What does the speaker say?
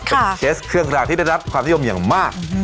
เป็นเคสเครื่องรางที่ได้รับความนิยมอย่างมาก